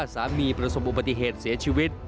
แสดงสามีประสงค์บุติเหตุเสียชีวิต